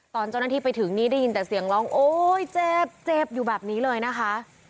ตอนเจ้าหน้าที่ไปถึงนี่ได้ยินแต่เสียงร้องโอ๊ยเจ็บเจ็บอยู่แบบนี้เลยนะคะ